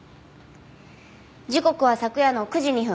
時刻は昨夜の９時２分。